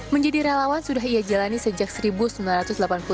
menjadi relawan sudah ia jalani sejumlahnya